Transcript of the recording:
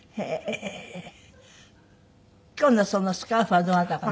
今日のそのスカーフはどなたかの。